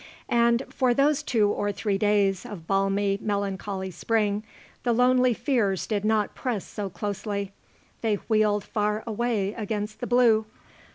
And, for those two or three days of balmy, melancholy spring, the lonely fears did not press so closely. They wheeled far away against the blue.